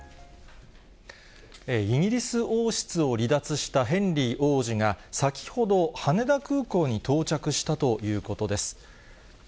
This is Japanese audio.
イギリス王室を離脱したヘンリー王子が、先ほど、羽田空港に到着したということです。